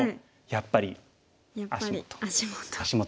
やっぱり足元。